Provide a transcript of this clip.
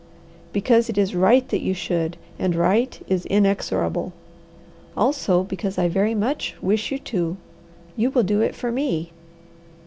"Because it is right that you should, and right is inexorable. Also, because I very much wish you to; you will do it for me."